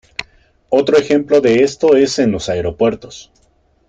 Otro ejemplo de esto es en los aeropuertos.